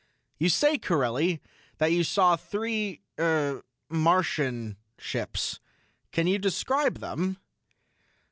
"You say, Corelli, that you saw three er, Martian ships. Can you describe them?"